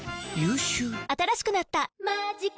新しくなった「マジカ」